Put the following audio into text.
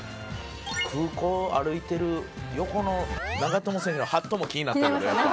空港歩いてる横の長友選手のハットも気になったけどやっぱ。